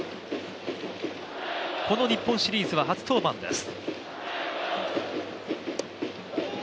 この日本シリーズは初登板です。